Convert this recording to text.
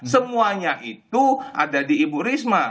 semuanya itu ada di ibu risma